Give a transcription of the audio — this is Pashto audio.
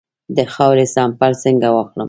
د خاورې سمپل څنګه واخلم؟